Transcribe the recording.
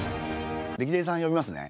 レキデリさん呼びますね。